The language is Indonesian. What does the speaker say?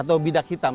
atau bidak hitam